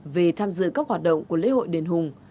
về tham dự các hoạt động của lễ hội đền hùng